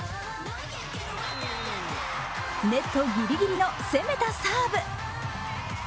ネットギリギリの攻めたサーブ。